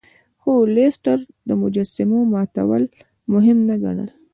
خو لیسټرډ د مجسمو ماتول مهم نه ګڼل.